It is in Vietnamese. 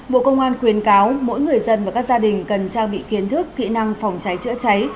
bộ công an khuyên cáo mỗi người dân và các gia đình cần trang bị kiến thức kỹ năng phòng cháy chữa cháy